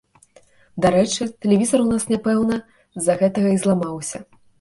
Дарэчы, тэлевізар у нас, напэўна, з-за гэтага і зламаўся.